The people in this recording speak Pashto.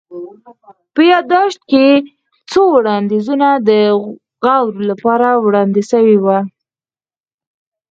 په يا ياداشت کي څو وړانديزونه د غور لپاره وړاندي سوي وه